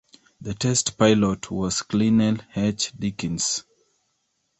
The test pilot was Clennell H. Dickins.